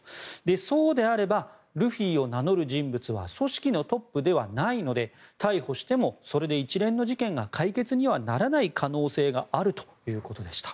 そうであればルフィを名乗る人物は組織のトップではないので逮捕してもそれで一連の事件が解決にはならない可能性があるということでした。